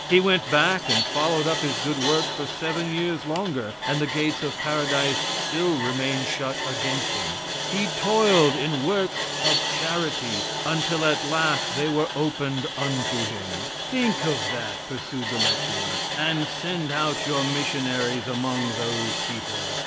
He went back and followed up his good works for seven years longer, and the gates of Paradise still remaining shut against him, he toiled in works of charity until at last they were opened unto him. Think of that, pursued the lecturer, and send out your missionaries among those people.